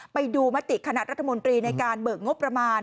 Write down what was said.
มติคณะรัฐมนตรีในการเบิกงบประมาณ